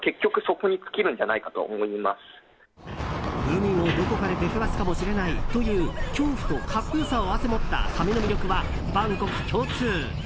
海のどこかで出くわすかもしれないという恐怖と格好良さを併せ持ったサメの魅力は万国共通。